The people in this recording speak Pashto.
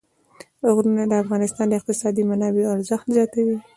غرونه د افغانستان د اقتصادي منابعو ارزښت زیاتوي.